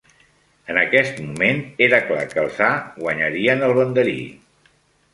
En aquest moment, era clar que els A guanyarien el banderí.